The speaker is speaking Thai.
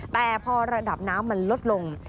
แต่พอระดับน้ำมันลดลง